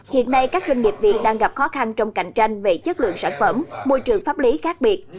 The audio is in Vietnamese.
hiện nay các doanh nghiệp việt đang gặp khó khăn trong cạnh tranh về chất lượng sản phẩm môi trường pháp lý khác biệt